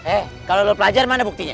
eh kalau lo pelajar mana buktinya